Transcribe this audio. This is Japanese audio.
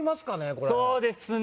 これそうですね